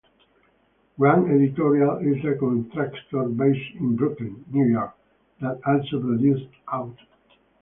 Grand Editorial is a contractor based in Brooklyn, New York, that also produces "Out".